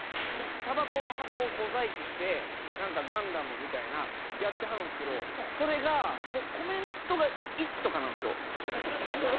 たばこの箱を小細工してガンダムみたいなやってはるんですけどそれがコメントが１とかなんですよ。